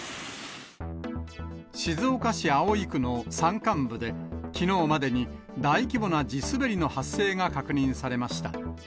静岡市葵区の山間部で、きのうまでに大規模な地滑りの発生が確認されました。